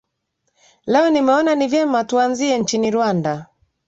leo nimeona ni vyema tuanzie nchini rwanda